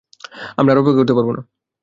আমরা আর অপেক্ষা করতে পারব না।